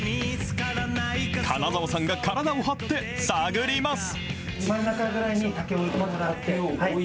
金澤さんが体を張って探ります。